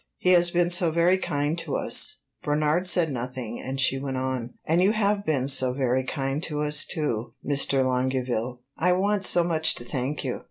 He has been so very kind to us." Bernard said nothing, and she went on. "And you have been so very kind to us, too, Mr. Longueville. I want so much to thank you."